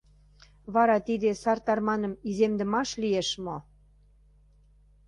Вара тиде сар тарманым иземдымаш лиеш мо?